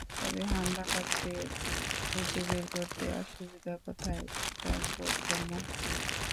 তবে হামলাকারীদের খুঁজে বের করতে অসুবিধা কোথায়, এটা বোধগম্য হচ্ছে না।